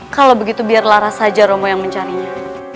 kalau begitu biar laras saja romo yang mencarinya